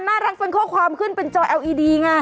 เปิดไฟขอทางออกมาแล้วอ่ะ